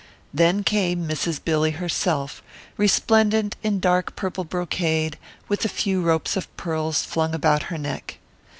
Then came Mrs. Billy herself, resplendent in dark purple brocade, with a few ropes of pearls flung about her neck.